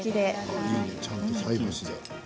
いいねちゃんと菜箸で。